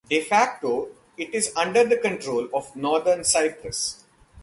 "De facto", it is under the control of Northern Cyprus.